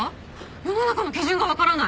世の中の基準がわからない！